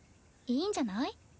いいんじゃない？